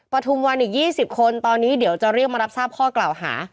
ทุมวันอีก๒๐คนตอนนี้เดี๋ยวจะเรียกมารับทราบข้อกล่าวหา